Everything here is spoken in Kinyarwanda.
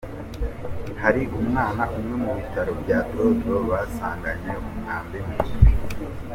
Hari umwana umwe mu bitaro bya Drodro basanganye umwambi mu mutwe.